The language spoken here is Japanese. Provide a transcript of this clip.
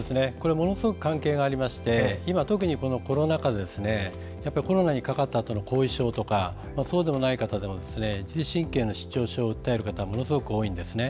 ものすごく関係がありまして今、特にコロナ禍でコロナにかかったあとの後遺症とかそうでない方でも自律神経の失調症を訴える方がものすごく多いんですね。